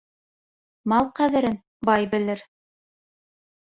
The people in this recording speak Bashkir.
Мал ҡәҙерен бай белер.